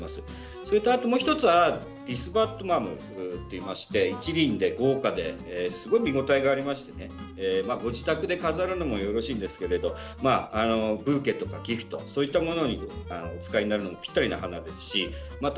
そして、あともう１つはディスバッドマムといいまして１輪で豪華ですごく見応えがありましてご自宅で飾るのもよろしいんですがブーケとかギフトにお使いになるのにもぴったりな花ですしまた